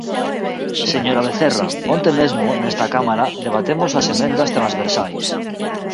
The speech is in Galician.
Señora Vecerra, onte mesmo nesta cámara debatemos as emendas transversais.